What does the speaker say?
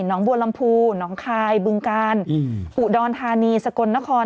น้องบัวลำพูหนองคายบึงกาลอุดรธานีสกลนคร